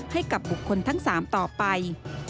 ให้กับ๖คนทั้ง๓ต่อไป